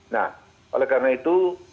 nah oleh karena itu